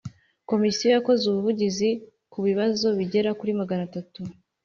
Komisiyo yakoze ubuvugizi ku bibazo bigera kuri Magana atatu